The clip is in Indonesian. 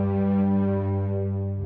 saya punya anak suddenly